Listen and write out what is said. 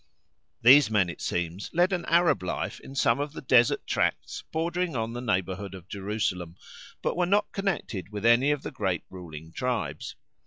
These men, it seems, led an Arab life in some of the desert tracts bordering on the neighbourhood of Jerusalem, but were not connected with any of the great ruling tribes.